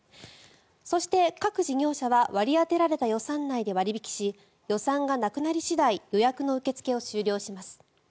そして各事業者は割り当てられた予算内で割引し予算がなくなり次第予約の受け付けを終了します。